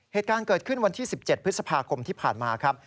เหตุการณ์เกิดขึ้นวันที่๑๗พฤษภาคมที่ผ่านมาครับ